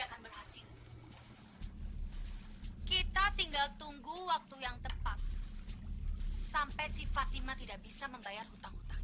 kita tinggal tunggu waktu yang tepat sampai si fatima tidak bisa membayar hutang hutangnya